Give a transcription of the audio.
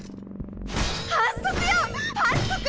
反則よ反則！